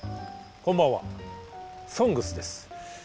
こんばんは「ＳＯＮＧＳ」です。